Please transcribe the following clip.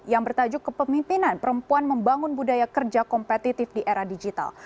yang bertajuk kepemimpinan perempuan membangun budaya kerja kompetitif di era digital